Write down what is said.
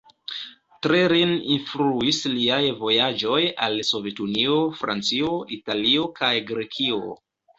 Tre lin influis liaj vojaĝoj al Sovetunio, Francio, Italio kaj Grekio.